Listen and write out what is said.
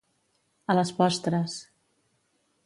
A les postres.